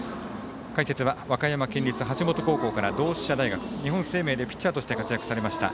解説は、和歌山県立橋本高校から同志社大学日本生命でピッチャーとして活躍されました。